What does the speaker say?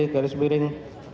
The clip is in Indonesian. garis miring lima